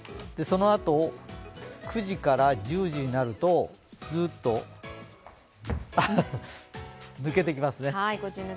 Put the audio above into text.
そのあと、９時から１０時になると、スーッと抜けていきますね。